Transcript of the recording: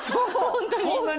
そんなに？